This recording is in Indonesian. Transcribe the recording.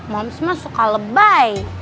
moms mah suka lebay